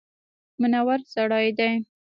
منور سړی دی.